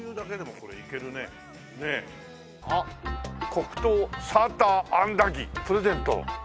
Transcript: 「黒糖サーターアンダギープレゼント」